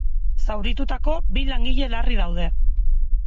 Zauritutako bi langile larri daude.